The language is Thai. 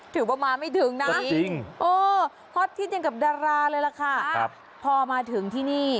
ถือว่ามาไม่ถึงนะฮอตฮิตอย่างกับดาราเลยล่ะค่ะพอมาถึงที่นี่